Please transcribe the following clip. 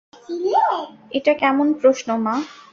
এটা কেমন প্রশ্ন মা?